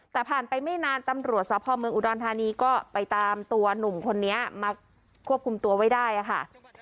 แต่ผ่านไปไม่นานตำรวจสพเมืองอุดรธานีก็ไปตามตัวหนุ่มคนนี้มาควบคุมตัวไว้ได้ค่ะ